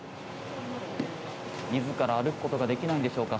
自ら歩くことができないんでしょうか。